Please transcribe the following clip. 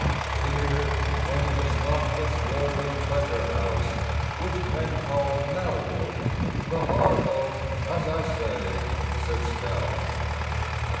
Here, when it is not at its lordly pleasure house, Which men call Malwood, The Harcourt, as I say, sits down.